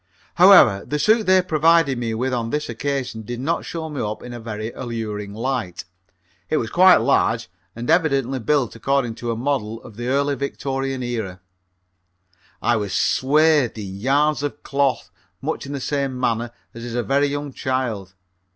However, the suit they provided me with on this occasion did not show me up in a very alluring light. It was quite large and evidently built according to a model of the early Victorian Era. I was swathed in yards of cloth much in the same manner as is a very young child.